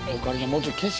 もうちょい景色